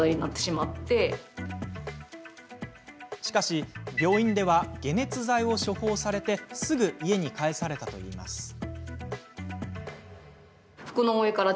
しかし、病院では解熱剤を処方されてすぐ家に帰されたといいます。